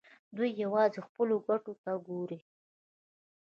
دوی یوازې خپلو ګټو ته ګوري.